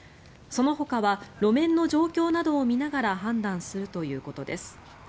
そのほかは路面の状況などを見ながら判断するということです。